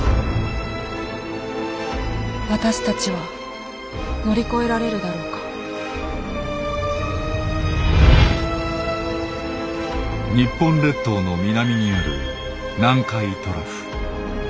私たちは乗り越えられるだろうか日本列島の南にある南海トラフ。